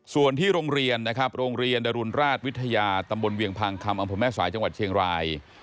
ส่วนที่โรงเรียนนะครับโรงเรียนดรุนราชวิทยาตำบลเวียงพางคำอำเภอแม่สายจังหวัดเชียงราย